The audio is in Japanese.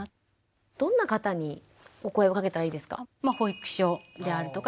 どんな方にお声をかけたらいいですか？